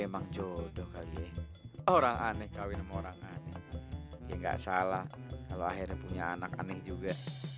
emang jodoh kali ya orang aneh kawin sama orang aneh ya enggak salah kalau akhirnya punya anak aneh juga